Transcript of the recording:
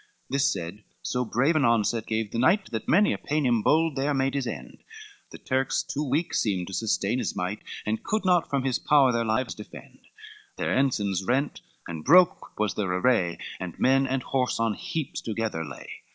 This said, so brave an onset gave the knight, That many a Paynim bold there made his end: The Turks too weak seemed to sustain his might, And could not from his power their lives defend, Their ensigns rent, and broke was their array, And men and horse on heaps together lay.